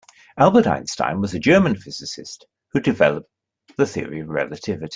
Albert Einstein was a German physicist who developed the Theory of Relativity.